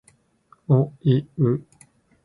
おいう